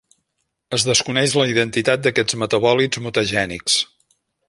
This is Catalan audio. Es desconeix la identitat d'aquests metabòlits mutagènics.